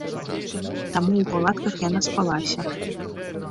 Таму ў палатках я наспалася.